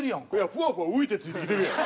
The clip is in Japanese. ふわふわ浮いてついてきてるやん。